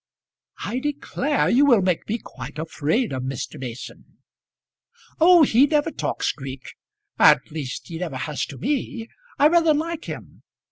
"I declare you will make me quite afraid of Mr. Mason." "Oh, he never talks Greek; at least he never has to me. I rather like him.